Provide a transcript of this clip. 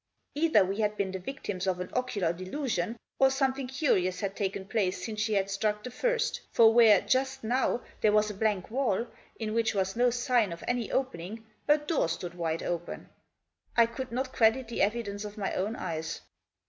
Either we had been the victims of an ocular delusion, or something curious had taken place since she had struck the first, for where, just now, there was a blank wall, in which was no sign of any opening, a door stood wide open. I could not credit the evidence of my own eyes.